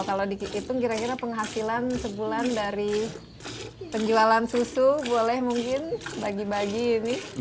kalau dihitung kira kira penghasilan sebulan dari penjualan susu boleh mungkin bagi bagi ini